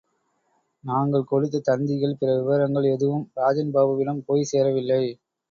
நாங்கள் கொடுத்த தந்திகள், பிற விவரங்கள் எதுவும் ராஜன்பாபுவிடம் போய் சேரவில்லை.